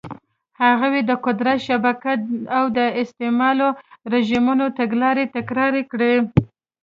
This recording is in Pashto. هغوی د قدرت شبکه او د استعماري رژیمونو تګلارې تکرار کړې.